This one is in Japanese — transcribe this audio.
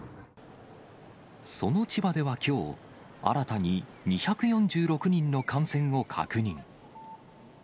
その千葉ではきょう、新たに２４６人の感染を確認。